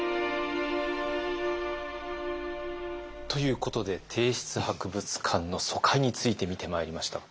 ということで帝室博物館の疎開について見てまいりました。